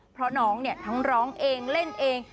เพราะน้องเนี่ยทั้งร้องเองเล่นเอง